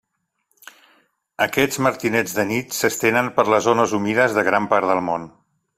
Aquests martinets de nit, s'estenen per les zones humides de gran part del món.